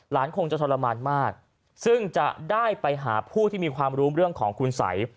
คงจะทรมานมากซึ่งจะได้ไปหาผู้ที่มีความรู้เรื่องของคุณสัย